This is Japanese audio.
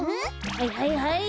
はいはいはい。